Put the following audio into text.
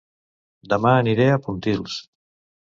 Dema aniré a Pontils